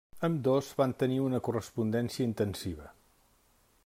Ambdós van tenir una correspondència intensiva.